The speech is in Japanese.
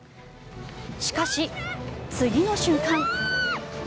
しかし、次の瞬間。